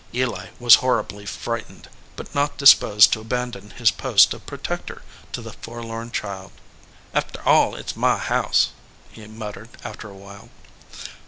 Eli was horribly frightened, but not disposed to abandon his post of protector to the forlorn child. "Arter all, it s my house," he muttered, after a while.